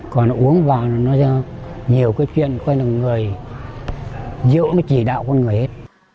còn uống vào nó nhiều cái chuyện coi là rượu nó chỉ đạo con người hết